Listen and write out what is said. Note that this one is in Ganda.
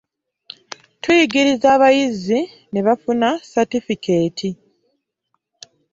Tuyigiriza abayizi ne bafuna satifikeeti